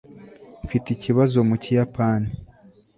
mfite ikibazo mu kiyapani